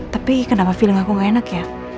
tapi kenapa film aku gak enak ya